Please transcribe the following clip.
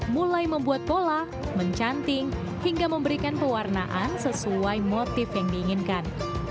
mulai membuat pola mencanting hingga memberikan pewarnaan sesuai motif yang diinginkan